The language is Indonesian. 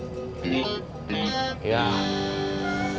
itu artinya saya harus merubah jenis usahanya